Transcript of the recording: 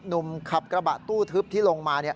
หนุ่มขับกระบะตู้ทึบที่ลงมา